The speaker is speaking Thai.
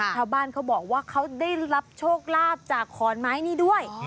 ชาวบ้านเขาบอกว่าเขาได้รับโชคลาภจากขอนไม้นี้ด้วย